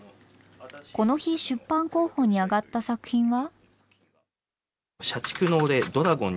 この日出版候補に挙がった作品は。